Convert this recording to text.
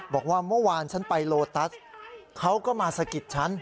บอกว่าเมื่อวานฉันไปโลตัสเขาก็มาสะกิดฉัน